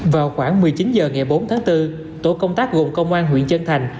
vào khoảng một mươi chín h ngày bốn tháng bốn tổ công tác gồm công an huyện chân thành